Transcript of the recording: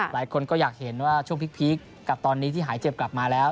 หลายคนก็อยากเห็นว่าช่วงพีคกับตอนนี้ที่หายเจ็บกลับมาแล้ว